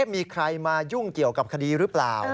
มีใครมายุ่งเกี่ยวกับคดีหรือเปล่า